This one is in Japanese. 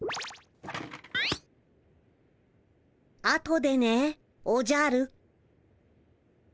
あとでねおじゃる。